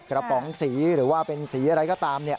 ป๋องสีหรือว่าเป็นสีอะไรก็ตาม